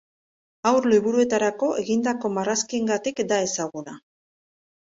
Haur-liburuetarako egindako marrazkiengatik da ezaguna.